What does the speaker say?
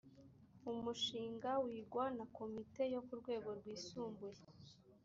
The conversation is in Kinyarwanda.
umushinga wigwa na komite yo ku rwego rwisumbuye